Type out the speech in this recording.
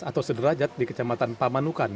atau sederajat di kecamatan pamanukan